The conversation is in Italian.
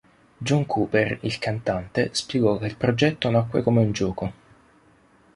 John Cooper, il cantante, spiegò che il progetto nacque come un gioco.